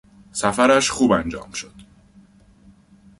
سفرش خوب انجام شد.